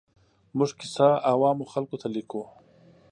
موږ کیسه عوامو خلکو ته لیکو.